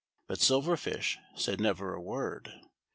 But Silver Fish said never a word.